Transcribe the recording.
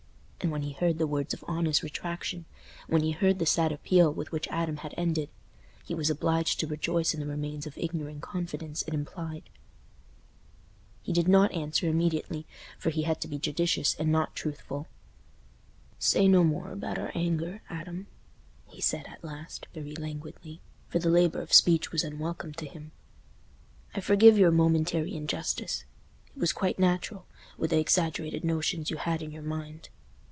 And when he heard the words of honest retractation—when he heard the sad appeal with which Adam ended—he was obliged to rejoice in the remains of ignorant confidence it implied. He did not answer immediately, for he had to be judicious and not truthful. "Say no more about our anger, Adam," he said, at last, very languidly, for the labour of speech was unwelcome to him; "I forgive your momentary injustice—it was quite natural, with the exaggerated notions you had in your mind.